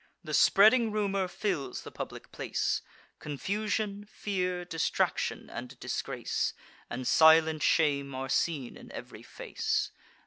The spreading rumour fills the public place: Confusion, fear, distraction, and disgrace, And silent shame, are seen in ev'ry face.